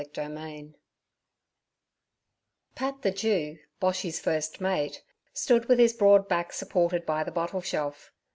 Chapter 6 PAT the Jew, Boshy's first mate, stood with his broad back supported by the bottle shelf.